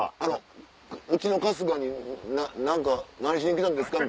うちの春日に何か何しに来たんですか？